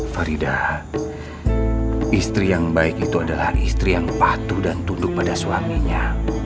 farida istri yang baik itu adalah istri yang patuh dan tunduk pada suaminya